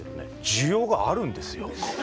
需要があるんですよ。